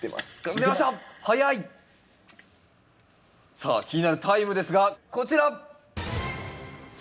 さあ気になるタイムですがこちら！